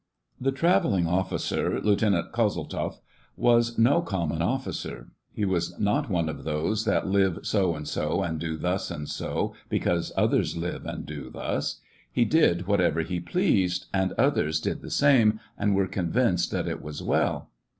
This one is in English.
The travelling officer. Lieutenant Kozeltzoff, was no common officer. He was not one of those that live so and so and do thus and so because others live and do thus ; he did whatever he pleased, and others did the same, and were convinced that it was well.